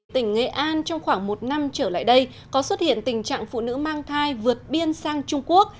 tỉnh nghệ an trong khoảng một năm trở lại đây có xuất hiện tình trạng phụ nữ mang thai vượt biên sang trung quốc